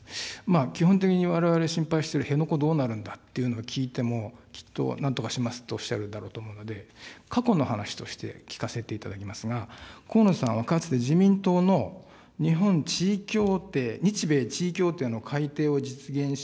基本的にわれわれ心配している、辺野古どうなるんだというのを聞いても、きっとなんとかしますとおっしゃるんだろうと思うので、過去の話として聞かせていただきますが、河野さんはかつて、自民党の日本地位協定、日米地位協定の改定を実現し、